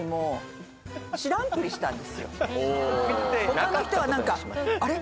他の人は何かあれ？